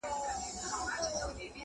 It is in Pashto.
په دامونو ښکار کوي د هوښیارانو!!